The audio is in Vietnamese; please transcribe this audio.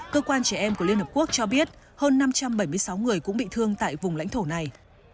cơ quan trẻ em của liên hợp quốc cho biết hơn năm trăm bảy mươi sáu người cũng bị thương tại vùng lãnh thổ này